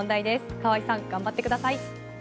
川合さん頑張ってください。